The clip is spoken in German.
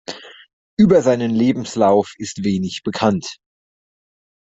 Über seinen Lebenslauf ist wenig bekannt.